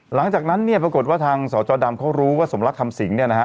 หลังจากนั้นเนี่ยปรากฏว่าทางสจดำเขารู้ว่าสมรักคำสิงเนี่ยนะฮะ